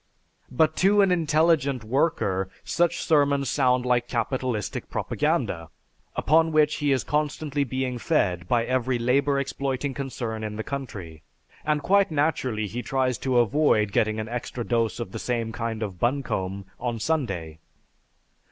But to an intelligent worker such sermons sound like capitalistic propaganda, upon which he is constantly being fed by every labor exploiting concern in the country, and quite naturally he tries to avoid getting an extra dose of the same kind of buncombe on Sunday....